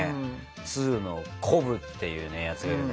２のコブっていうやつがいるんだけどね